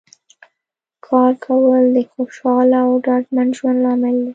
کار کول د خوشحاله او ډاډمن ژوند لامل دی